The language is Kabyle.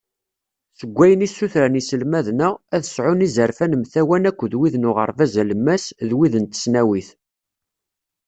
Seg wayen i ssutren yiselmaden-a, ad sεun izerfan mtawan akked wid n uɣerbaz alemmas, d wid n tesnawit.